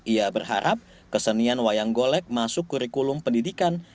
ia berharap kesenian wayang golek masuk kurikulum pendidikan